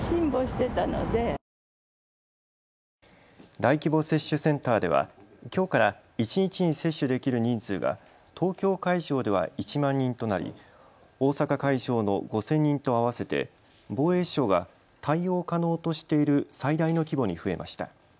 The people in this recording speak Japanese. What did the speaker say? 大規模接種センターではきょうから一日に接種できる人数が東京会場では１万人となり大阪会場の５０００人と合わせて防衛省が対応可能としている最大の規模に増えました。